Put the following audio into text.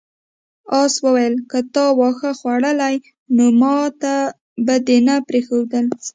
آس وویل که تا واښه خوړلی نو ماته به دې نه پریښودل.